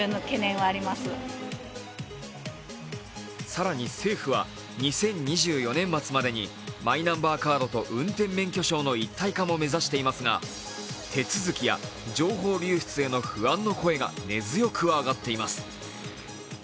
更に政府は２０２４年末までにマイナンバーカードと運転免許証との一体化も目指していますが手続きや情報流出への不安の声が根強く上がっています。